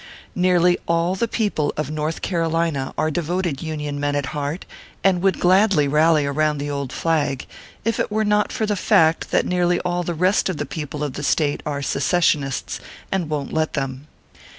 Nearly all the people of North Caro lina are devoted Union men at heart, and would gladly rally around the old flag, if it were not for the fact that nearly all the rest of the people of the State are secessionists and won t let them.